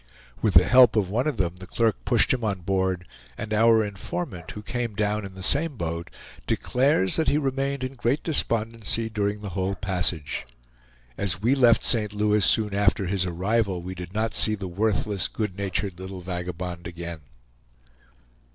With the help of one of them the clerk pushed him on board, and our informant, who came down in the same boat, declares that he remained in great despondency during the whole passage. As we left St. Louis soon after his arrival, we did not see the worthless, good natured little vagabond again.